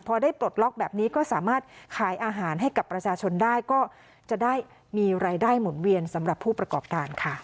พอได้ปลดล็อกแบบนี้ก็สามารถขายอาหารให้กับประชาชนได้ก็จะได้มีรายได้หมุนเวียนสำหรับผู้ประกอบการค่ะ